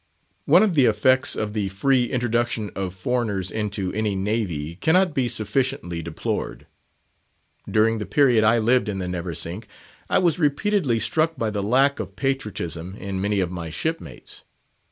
One of the effects of the free introduction of foreigners into any Navy cannot be sufficiently deplored. During the period I lived in the Neversink, I was repeatedly struck by the lack of patriotism in many of my shipmates.